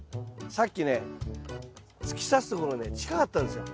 さっきね突き刺すところね近かったんですよ。